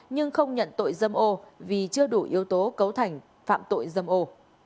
nhưng không nhận tội dâm ô vì chưa đủ yếu tố cấu thành phạm tội dâm ô